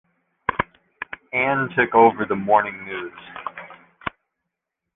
Ann took over the "Morning News".